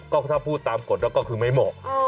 ก็ถ้าพูดตามกฎแล้วก็คือไม่เหมาะ